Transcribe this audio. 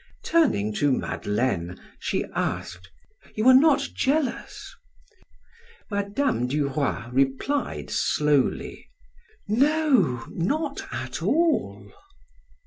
Turning to Madeleine, she asked: "You are not jealous?" Mme. du Roy replied slowly: "No, not at all."